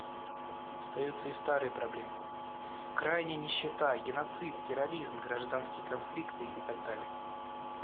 Остаются и старые проблемы: крайняя нищета, геноцид, терроризм, гражданские конфликты, и так далее.